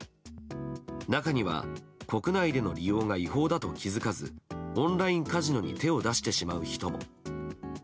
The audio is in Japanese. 中には国内での利用が違法だと気付かずオンラインカジノに手を出してしまう人も。